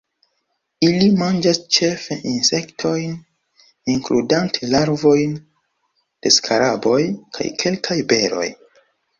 Ili manĝas ĉefe insektojn, inkludante larvojn de skaraboj, kaj kelkaj beroj.